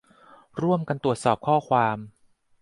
ร่วมกันตรวจสอบข้อความ